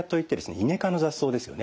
イネ科の雑草ですよね